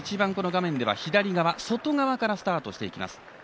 画面では左側外側からスタートしていきます。